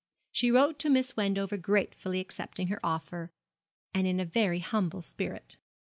She wrote to Miss Wendover gratefully accepting her offer, and in a very humble spirit.